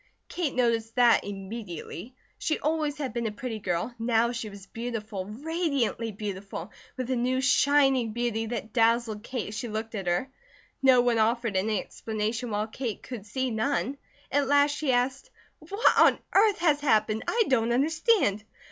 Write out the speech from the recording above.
Kate noticed that, immediately. She always had been a pretty girl, now she was beautiful, radiantly beautiful, with a new shining beauty that dazzled Kate as she looked at her. No one offered any explanation while Kate could see none. At last she asked: "What on earth has happened? I don't understand."